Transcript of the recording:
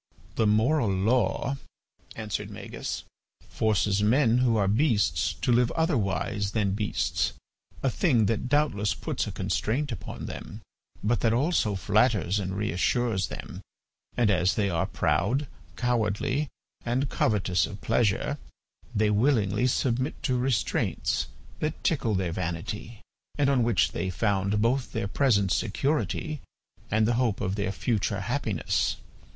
"The moral law," answered Magis, "forces men who are beasts to live otherwise than beasts, a thing that doubtless puts a constraint upon them, but that also flatters and reassures them; and as they are proud, cowardly, and covetous of pleasure, they willingly submit to restraints that tickle their vanity and on which they found both their present security and the hope of their future happiness.